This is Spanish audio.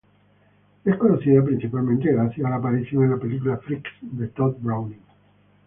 Es conocida principalmente gracias a su aparición en la película Freaks de Tod Browning.